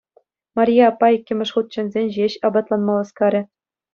Марье аппа иккӗмӗш хут чӗнсен ҫеҫ апатланма васкарӗ.